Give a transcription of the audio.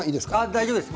大丈夫です。